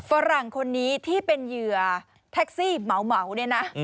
ฝรั่งคนนี้ที่เป็นเหยื่อแท็กซี่เหมาเนี่ยนะ